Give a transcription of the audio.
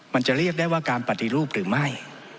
มันจะเรียกได้ว่าการปฏิรูปหรือไม่